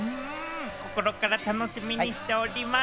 心から楽しみしております。